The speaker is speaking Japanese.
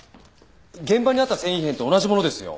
現場にあった繊維片と同じものですよ。